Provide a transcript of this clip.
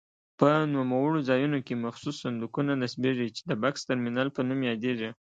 په نوموړو ځایونو کې مخصوص صندوقونه نصبېږي چې د بکس ترمینل په نوم یادیږي.